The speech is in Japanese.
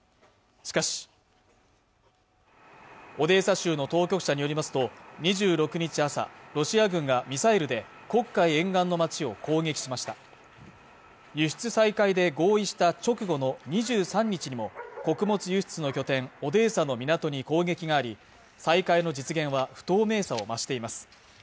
しかしオデーサ州の当局者によりますと２６日朝ロシア軍がミサイルで黒海沿岸の町を攻撃しました輸出再開で合意した直後の２３日にも穀物輸出の拠点オデーサの港に攻撃があり再開の実現は不透明さを増しています